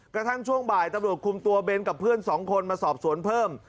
กระทั่งช่วงบ่ายตำรวจคุมตัวเบนกับเพื่อนสองคนมาสอบสวนเพิ่ม